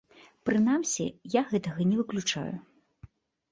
Прынамсі, я гэтага не выключаю.